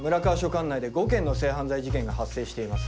管内で５件の性犯罪事件が発生しています。